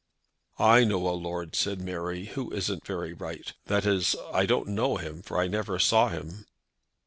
"I know a lord," said Mary, "who isn't very right. That is, I don't know him, for I never saw him."